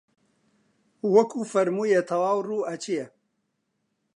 وەکوو فەرموویە تەواو ڕوو ئەچێ